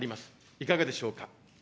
いかがでしょうか。